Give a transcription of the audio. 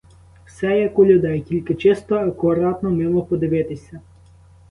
Все, як у людей, тільки чисто, акуратно, мило подивитися.